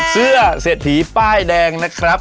เศรษฐีป้ายแดงนะครับ